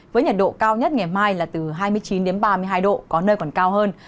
với nhiệt độ cao nhất ngày mai là từ hai mươi chín đến ba mươi hai độ có nơi còn cao hơn